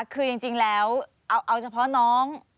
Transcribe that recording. คือจริงแล้วเอาเฉพาะน้อง